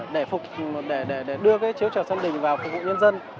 để đưa chiếu trẻo sân đình vào phục vụ nhân dân